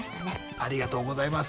ありがとうございます。